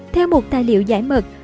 theo một tài liệu giải mật